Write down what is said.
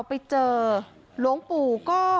เป็นพระรูปนี้เหมือนเคี้ยวเหมือนกำลังทำปากขมิบท่องกระถาอะไรสักอย่าง